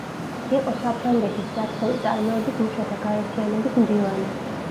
იყო საფრანგეთის საქსოვი წარმოების მუშათა გაერთიანების მდივანი.